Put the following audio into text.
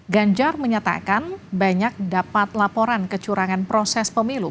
ganjar menyatakan banyak dapat laporan kecurangan proses pemilu